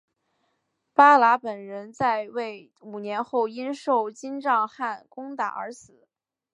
八剌本人在位五年后因受金帐汗攻打而死。